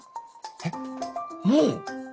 えっもう？